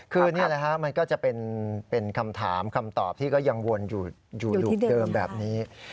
คือนี่แหละฮะมันก็จะเป็นคำถามคำตอบที่ก็ยังวนอยู่ลูกเดิมแบบนี้